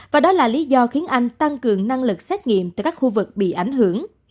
và đó là lý do khiến anh tăng cường năng lực xét nghiệm tại các khu vực bị ảnh hưởng